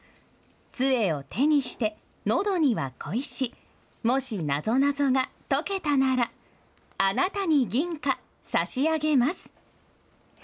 つえを手にして、のどには小石、もしなぞなぞがとけたなら、あなたに銀貨、差し上げます！